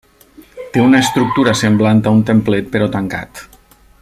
Té una estructura semblant a un templet, però tancat.